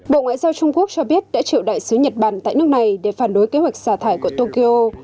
bộ ngoại giao trung quốc cho biết đã triệu đại sứ nhật bản tại nước này để phản đối kế hoạch xả thải của tokyo